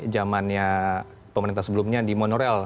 zamannya pemerintah sebelumnya di monorail